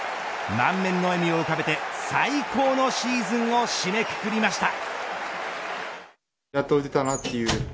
満面の笑みを浮かべて最高のシーズンを締めくくりました。